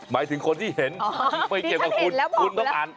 หมายถึงคนที่เห็นไปเก็บอุ๊นต้องอ่านต่อ